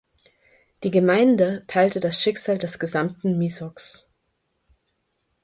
Die Gemeinde teilte das Schicksal des gesamten Misox.